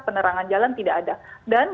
penerangan jalan tidak ada dan